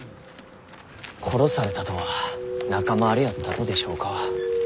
殺されたとは仲間割れやったとでしょうか。